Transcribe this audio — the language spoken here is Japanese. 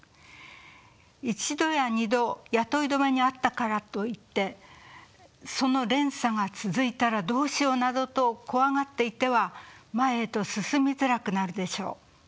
１度や２度雇い止めにあったからといってその連鎖が続いたらどうしようなどと怖がっていては前へと進みづらくなるでしょう。